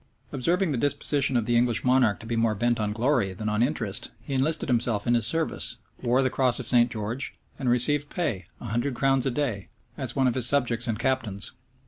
Observing the disposition of the English monarch to be more bent on glory than on interest, he enlisted himself in his service, wore the cross of St. George, and received pay, a hundred crowns a day, as one of his subjects and captains.